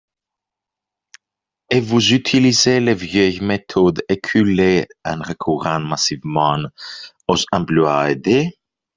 Et vous utilisez les vieilles méthodes éculées en recourant massivement aux emplois aidés.